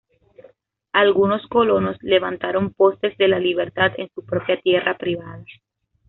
Algunos colonos levantaron postes de la libertad en su propia tierra privada.